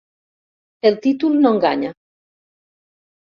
El títol no enganya.